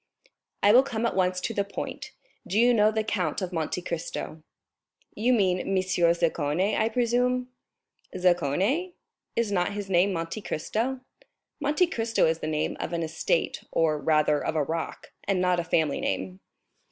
"I will come at once to the point. Do you know the Count of Monte Cristo?" "You mean Monsieur Zaccone, I presume?" "Zaccone?—is not his name Monte Cristo?" "Monte Cristo is the name of an estate, or, rather, of a rock, and not a family name."